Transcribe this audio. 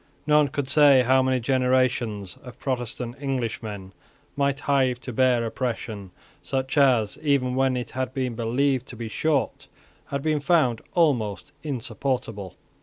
None could say how many generations of Protestant Englishmen might hive to bear oppression, such as, even when it had been believed to be short, had been found almost insupportable.